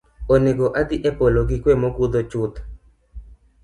Oneg’ adhiyo e polo gi kuwe mogundho chuth.